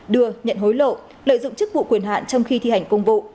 đưa nhận hối lộ lợi dụng chức vụ quyền hạn trong khi thi hành công vụ